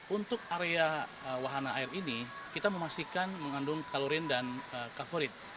untuk area wahana air ini kita memastikan mengandung kalorin dan favorit